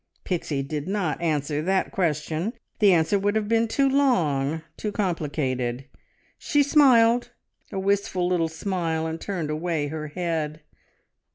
Pixie did not answer that question. The answer would have been too long, too complicated. She smiled, a wistful little smile, and turned away her head.